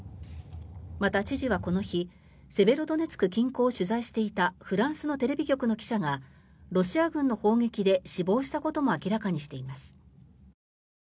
また、知事はこの日セベロドネツク近郊を取材していたフランスのテレビ局の記者がロシア軍の砲撃で死亡したことも明らかにしています。